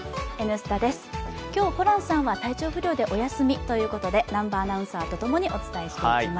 今日、ホランさんは体調不良でお休みということで南波アナウンサーとともにお伝えしていきます